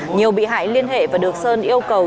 nhiều bị hại liên hệ và được sơn yêu cầu